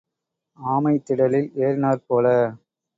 ஆமை திடலில் ஏறினாற் போல.